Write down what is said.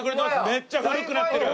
めっちゃ古くなってる！